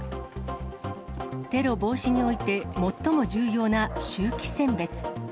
テロ防止において、最も重要な臭気選別。